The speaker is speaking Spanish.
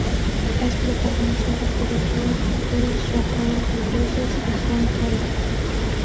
Es protagonizada por el dúo de actores Rafael Rivelles y Juan Calvo.